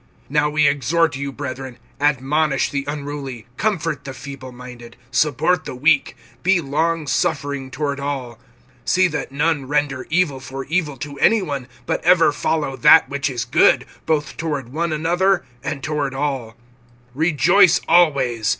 (14)Now we exhort you, brethren, admonish the unruly, comfort the feeble minded, support the weak, be long suffering toward all. (15)See that none render evil for evil to any one but ever follow that which is good, both toward one another, and toward all. (16)Rejoice always.